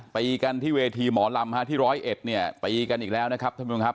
ตีกันที่เวทีหมอลำที่ร้อยเอ็ดเนี่ยตีกันอีกแล้วนะครับท่านผู้ชมครับ